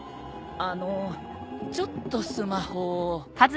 あのちょっとスマホを。